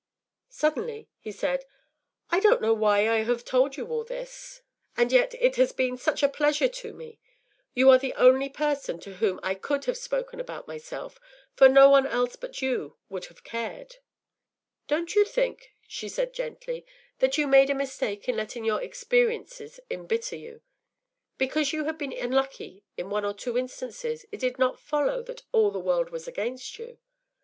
” Suddenly he said, “I don’t know why I have told you all this. And yet it has been such a pleasure to me. You are the only person to whom I could have spoken about myself, for no one else but you would have cared.” “Don’t you think,” she said gently, “that you made a mistake in letting your experiences embitter you? Because you had been unlucky in one or two instances it did not follow that all the world was against you.